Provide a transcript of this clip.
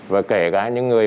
và kể cả những người